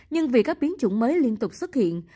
nhưng vì các biến chủng mới liên tục xuất hiện